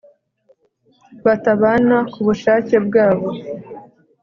Batabana ku bushake bwabo